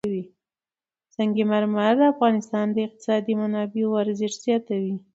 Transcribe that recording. سنگ مرمر د افغانستان د اقتصادي منابعو ارزښت زیاتوي.